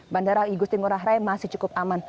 bandara igu singuraha masih cukup aman